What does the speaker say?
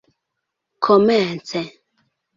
komence